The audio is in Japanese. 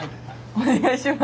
お願いします。